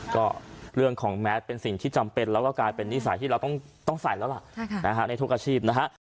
ก็เรื่องของแมสเป็นสิ่งที่จำเป็นแล้วก็กลายเป็นนิสัยที่เราต้องใส่แล้วล่ะในทุกอาชีพนะฮะ